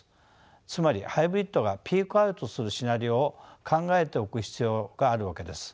つまりハイブリッドがピークアウトするシナリオを考えておく必要があるわけです。